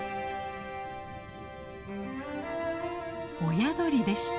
親鳥でした。